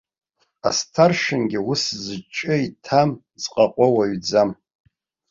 Асҭаршынгьы ус зҿы иҭам зҟаҟо уаҩӡам.